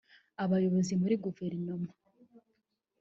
Abayobozi muri Guverinoma